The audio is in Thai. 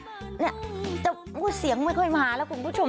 เนี่ยจะพูดเสียงไม่ค่อยมาแล้วคุณผู้ชม